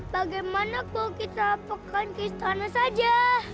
bagaimana kalau kita pekain ke istana saja